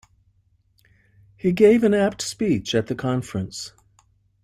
He gave an apt speech at the conference.